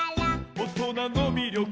「おとなのみりょく」